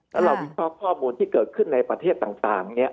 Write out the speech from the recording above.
แล้วเราวิเคราะห์ข้อมูลที่เกิดขึ้นในประเทศต่าง